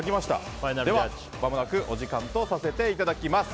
お時間とさせていただきます。